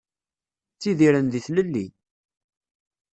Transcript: Ttidiren di tlelli.